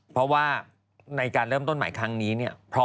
เพราะว่าในการเริ่มต้นใหม่ครั้งนี้เนี่ย